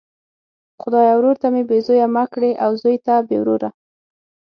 خدایه ورور ته مي بې زویه مه کړې او زوی ته بې وروره!